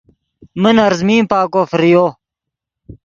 من ارزمین پاکو فریو